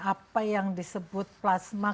apa yang disebut plasma